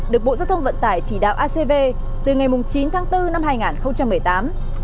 được bộ giao thông vận tải chỉ đạo acv từ ngày chín tháng bốn năm hai nghìn một mươi tám